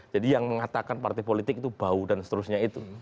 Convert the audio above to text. jadi yang mengatakan partai politik itu bau dan seterusnya itu